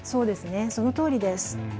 そのとおりです。